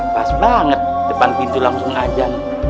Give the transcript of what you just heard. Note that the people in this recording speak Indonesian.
pas banget depan pintu langsung aja